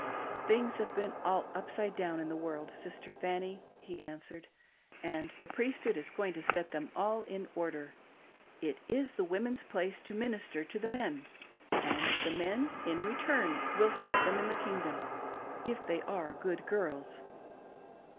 Things have been all upside down in the world, Sister Fanny," he answered, " and the Priesthood is going to set them all in order. It is the women's place to minister to the men, and the mien, in return, will save them in the Kingdom, if they are good girls."